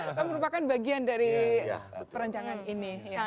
itu merupakan bagian dari perencanaan ini